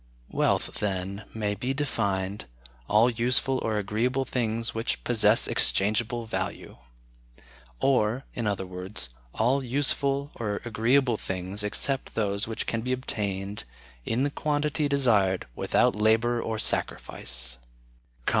Wealth, then, may be defined, all useful or agreeable things which possess exchangeable value; or, in other words, all useful or agreeable things except those which can be obtained, in the quantity desired, without labor or sacrifice.